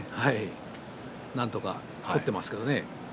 なんとか取っていますけどね。